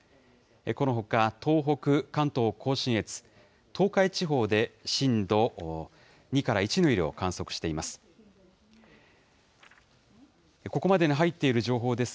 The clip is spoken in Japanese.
このほか、東北、関東甲信越、東海地方で震度２から１の揺れを観測しています。